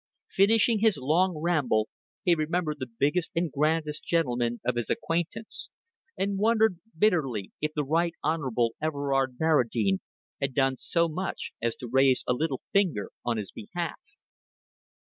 Finishing his long ramble, he remembered the biggest and grandest gentleman of his acquaintance, and wondered bitterly if the Right Honorable Everard Barradine had done so much as to raise a little finger on his behalf.